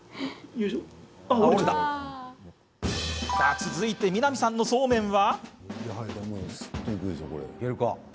続いて、南さんのそうめんは。